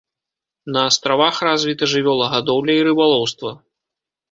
На астравах развіта жывёлагадоўля і рыбалоўства.